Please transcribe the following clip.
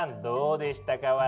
どうでしたか？